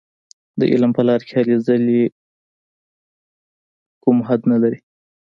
د علم په لاره کې هلې ځلې کوم حد نه لري.